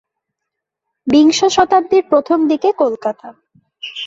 বিংশ শতাব্দীর প্রথম দিকে কলকাতা।